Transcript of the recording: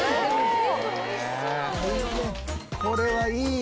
「これはいい」